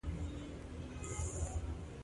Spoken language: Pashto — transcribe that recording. د کانکور ټولو ګډونوالو سخت اصول رعایتول.